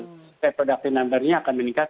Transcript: reproduksi numbernya akan meningkat